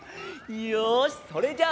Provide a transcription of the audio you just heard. よしそれじゃあ